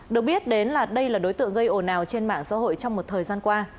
được biết đến là đây là đối tượng gây ồn ào trên mạng xã hội trong một thời gian qua